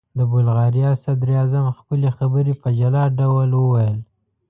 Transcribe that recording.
د بلغاریا صدراعظم خپلې خبرې په جلا ډول وویل.